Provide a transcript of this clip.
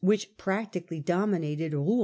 which practically dominated Rouen.